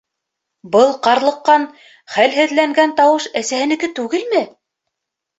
Был ҡарлыҡҡан, хәлһеҙләнгән тауыш әсәһенеке түгелме?